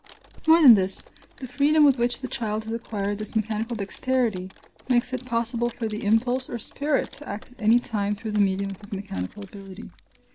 More than this, the freedom with which the child has acquired this mechanical dexterity makes it possible for the impulse or spirit to act at any time through the medium of his mechanical ability.